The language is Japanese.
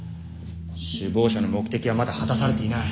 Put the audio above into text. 首謀者の目的はまだ果たされていない。